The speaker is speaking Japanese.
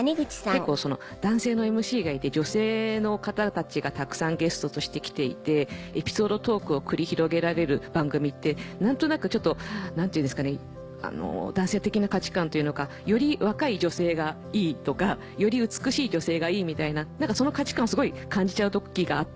結構男性のＭＣがいて女性の方たちがたくさんゲストとして来ていてエピソードトークを繰り広げられる番組って何となくちょっと男性的な価値観というのかより若い女性がいいとかより美しい女性がいいみたいな何かその価値観をすごい感じちゃう時があって。